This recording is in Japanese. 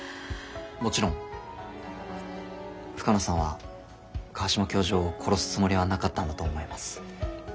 もちろん深野さんは川島教授を殺すつもりはなかったんだと思います。